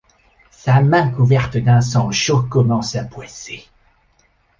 Sa main couverte d’un sang chaud commence à poisser.